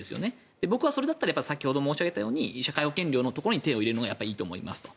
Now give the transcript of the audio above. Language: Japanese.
僕はそれだったらさっき申し上げたように社会保険料のところに手を入れるのがいいと思います。